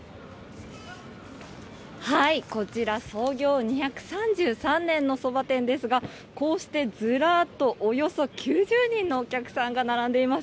こちら創業２３３年のそば店ですがこうしてずらっとおよそ９０人のお客さんが並んでいます。